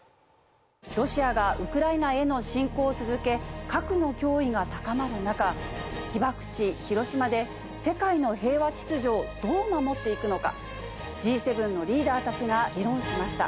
ロシアがウクライナへの侵攻を続け核の脅威が高まる中被爆地広島で世界の平和秩序をどう守っていくのかＧ７のリーダーたちが議論しました。